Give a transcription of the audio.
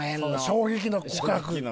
衝撃の告白。